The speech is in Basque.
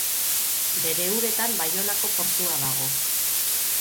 Bere uretan Baionako portua dago.